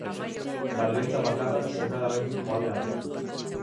Baldintza bakarra, seme-alabekin joatea da.